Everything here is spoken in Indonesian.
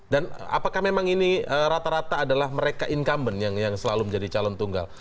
dan apakah memang ini rata rata adalah mereka incumbent yang selalu menjadi calon tunggal